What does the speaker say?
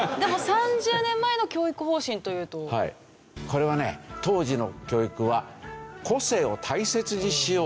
これはね当時の教育は。